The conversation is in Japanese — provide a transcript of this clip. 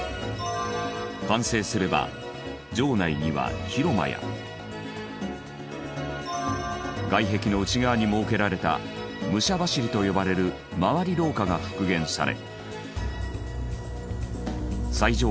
完成すれば城内には広間や外壁の内側に設けられた武者走りと呼ばれる回り廊下が復元され。